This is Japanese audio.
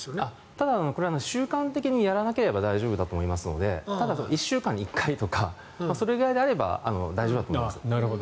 ただ、これは習慣的にやらなければ大丈夫だと思いますので１週間に１回とかそれぐらいであれば大丈夫だと思います。